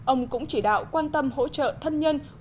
ông cũng chỉ đạo quan tâm hỗ trợ thân nhân quốc gia